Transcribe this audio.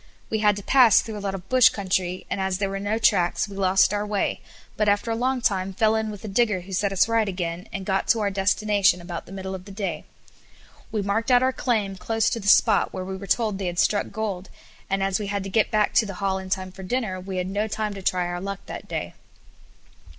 We had to pass through a lot of bush country, and as there were no tracks we lost our way, but after a long time fell in with a digger who set us right again, and got to our destination about the middle of the day. We marked out our claim close to the spot where we were told they had struck gold, and as we had to get back to the hall in time for dinner, we had no time to try our luck that day.